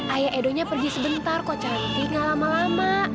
ayah edonya pergi sebentar kok cantik gak lama lama